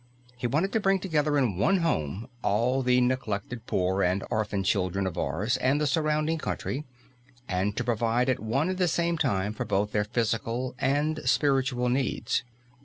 He wanted to bring together in one home all the neglected poor and orphan children of Ars and the surrounding country, and to provide at one and the same time for both their physical and spiritual needs.